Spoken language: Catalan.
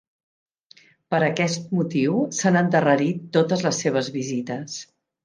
Per aquest motiu, s'han endarrerit totes les seves visites.